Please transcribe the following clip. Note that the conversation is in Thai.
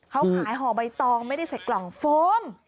เขาขายห่อใบตองไม่ได้ใส่กล่องโฟม